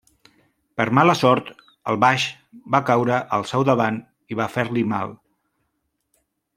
Per mala sort, el baix va caure al seu davant i va fer-li mal.